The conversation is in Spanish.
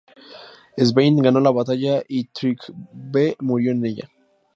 Svein ganó la batalla y Tryggve murió en ella.